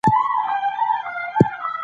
هاوايي د پان-سټارس څارخونې دا موندنه وکړه.